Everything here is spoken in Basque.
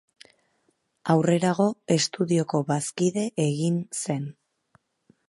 Aurrerago, estudioko bazkide egin zen.